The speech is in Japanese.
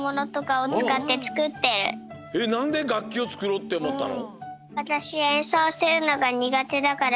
なんでがっきをつくろうっておもったの？